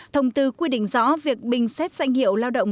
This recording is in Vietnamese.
thông tư quy định rõ việc bình xét danh hiệu lao động